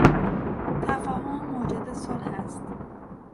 تفاهم موجد صلح است.